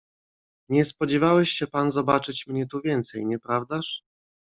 "Nie spodziewałeś się pan zobaczyć mnie tu więcej, nieprawdaż?"